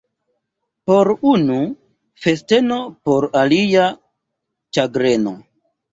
Por unu — festeno, por alia — ĉagreno.